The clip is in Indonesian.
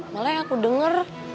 malah yang aku dengar